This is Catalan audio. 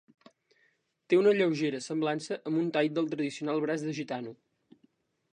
Té una lleugera semblança amb un tall del tradicional braç de gitano.